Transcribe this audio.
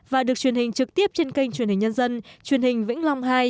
và được truyền hình trực tiếp trên kênh truyền hình nhân dân truyền hình vĩnh long hai